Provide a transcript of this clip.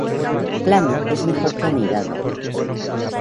Plano es mejor que anidado.